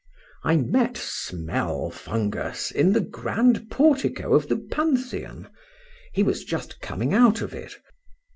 I met Smelfungus in the grand portico of the Pantheon:—he was just coming out of it.